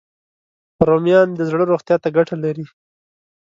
رومیان د زړه روغتیا ته ګټه لري